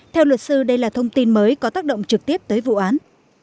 theo luật sư đây là thông tin mới có tác động trực tiếp tới vụ án